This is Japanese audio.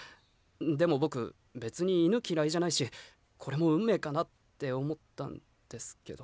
でも僕別に犬嫌いじゃないしこれも運命かなって思ったんですけど。